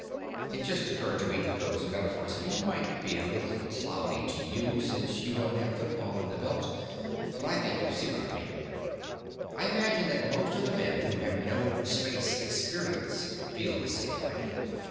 (It just occurred to me that those metaphors might be a little cloudy to you, since you don't have football in the Belt, but I think you see what I mean.) I imagine that most of the men who have no "space experience" feel the same way.